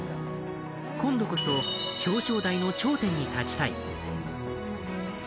今度こそ表彰台の頂点に立ちたい。